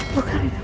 buka rina buka